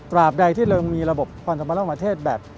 ตราบใดที่เรามีระบบความสมบัติของประเทศแบบ